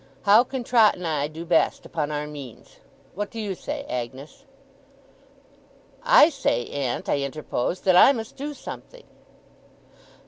How can Trot and I do best, upon our means? What do you say, Agnes?' 'I say, aunt,' I interposed, 'that I must do something!